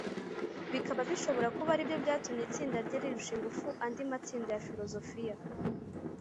bikaba bishobora kuba ari byo byatumye itsinda rye rirusha ingufu andi matsinda ya filozofiya.